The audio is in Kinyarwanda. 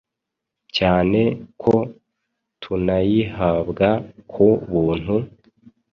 cyane ko tunayihabwa ku buntu!